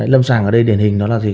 lâm sàng ở đây điển hình nó là gì